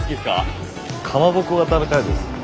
かまぼこが食べたいです。